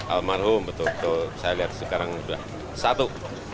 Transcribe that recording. almarhum betul betul saya lihat sekarang sudah satu